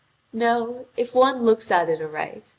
"No, if one looks at it aright.